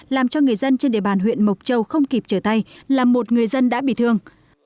làm cho người dân trên địa bàn huyện mộc châu không kịp trở tay là một người dân đã bị thương